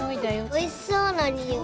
おいしそうなにおい。